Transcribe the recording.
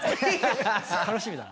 楽しみだな。